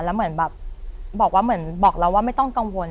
แล้วเหมือนแบบบอกว่าเหมือนบอกเราว่าไม่ต้องกังวล